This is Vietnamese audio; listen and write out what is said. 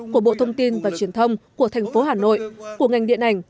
của bộ thông tin và truyền thông của thành phố hà nội của ngành điện ảnh